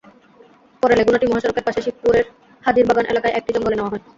পরে লেগুনাটি মহাসড়কের পাশে শিবপুরের হাজির বাগান এলাকায় একটি জঙ্গলে নেওয়া হয়।